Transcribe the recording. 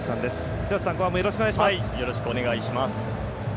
廣瀬さん、後半もよろしくお願いします。